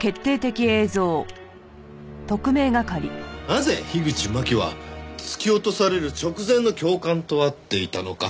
なぜ樋口真紀は突き落とされる直前の教官と会っていたのか。